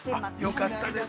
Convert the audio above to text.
◆よかったです。